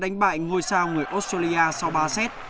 đánh bại ngôi sao người australia sau ba set